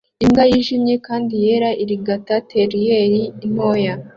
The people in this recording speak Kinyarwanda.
Imbwa yijimye kandi yera irigata terrier ntoya